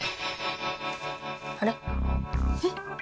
あれっ？えっ？